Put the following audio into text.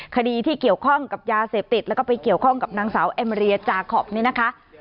คดีที่เกี่ยวข้องกับยาเสพติดแล้วก็ไปเกี่ยวข้องกับนางสาวเอมเรียจาคอปนี่นะคะ